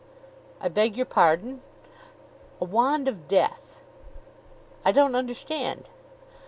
"I beg your pardon?" "A wand of death?" "I don't understand."